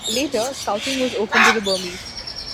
Later, Scouting was opened to the Burmese.